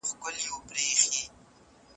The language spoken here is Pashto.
د روسیې ملت د خپلې خاورې لپاره ډېرې قربانۍ ورکړې.